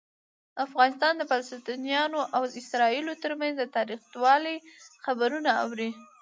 افغانان د فلسطینیانو او اسرائیلیانو ترمنځ د تاوتریخوالي خبرونه اوري.